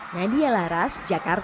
nadia laras jakarta